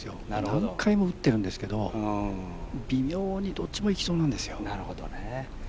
何回も打ってるんですけど、微妙にどっちもいきそうなんですよね。